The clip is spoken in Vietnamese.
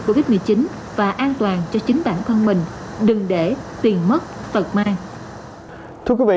covid một mươi chín và an toàn cho chính bản thân mình đừng để tiền mất tật mai